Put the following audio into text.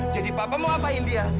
jadi papa mau ngapain dia